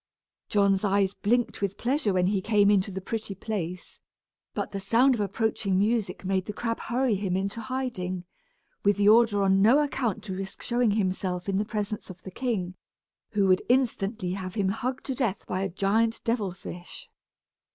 John's eyes blinked with pleasure when he came into the pretty place, but the sound of approaching music made the crab hurry him into hiding, with the order on no account to risk showing himself in the presence of the king, who would instantly have him hugged to death by a giant devil fish.